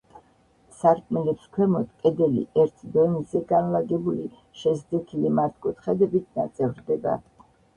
სარკმელებს ქვემოთ, კედელი, ერთ დონეზე განლაგებული, შეზნექილი მართკუთხედებით ნაწევრდება.